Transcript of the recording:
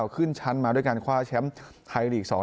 ขึ้นชั้นมาด้วยการคว้าแชมป์ไทยลีก๒๐